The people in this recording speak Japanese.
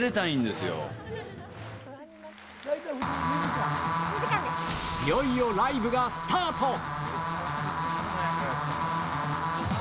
いよいよライブがスタート！